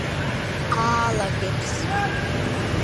აალაგებს